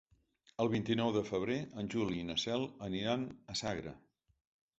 El vint-i-nou de febrer en Juli i na Cel aniran a Sagra.